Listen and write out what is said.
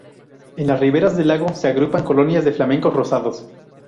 En las riberas del lago se agrupan colonias de flamencos rosados.